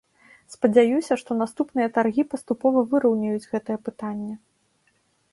Спадзяюся, што наступныя таргі паступова выраўняюць гэтае пытанне.